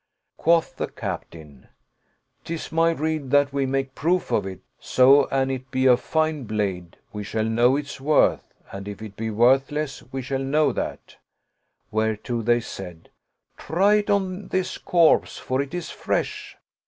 Quoth the Captain, " 'Tis my rede that we make proof of it ; so, an it be a fine blade, we shall know its worth, and if it be worth less we shall know that "; whereto they said, " Try it on this corpse, for it is fresh."